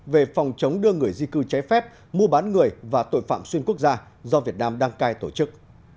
về phòng chống đưa người di cư trái phép mua bán người và tội phạm xuyên quốc gia do việt nam đăng cai tổ chức